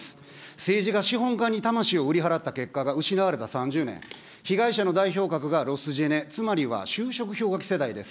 政治が資本家に魂を売り払った結果が失われた３０年、被害者の代表格がロスジェネ、つまりは就職氷河期世代です。